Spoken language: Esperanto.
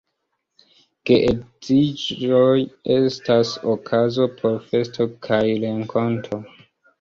Geedziĝoj estas okazo por festo kaj renkonto.